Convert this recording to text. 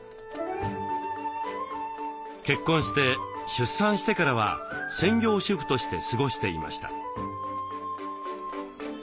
結婚して出産してからは専業主婦として過ごしていました。